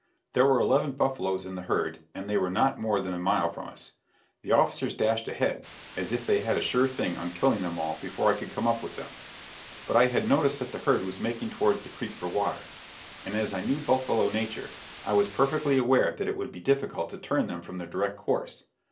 There were eleven buffaloes in the herd and they were not more than a mile from us. The officers dashed ahead as if they had a sure thing on killing them all before I could come up with them; but I had noticed that the herd was making towards the creek for water, and as I knew buffalo nature, I was perfectly aware that it would be difficult to turn them from their direct course.